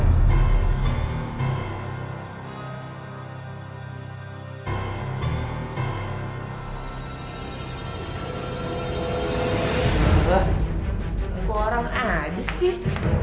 wah kok orang aja sih